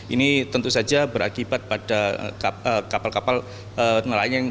ini tentu saja berakibat pada kapal kapal nelayan